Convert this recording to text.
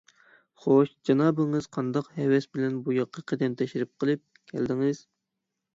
خوش، جانابىڭىز قانداق ھەۋەس بىلەن بۇياققا قەدەم تەشرىپ قىلىپ قالدىڭىزكىن؟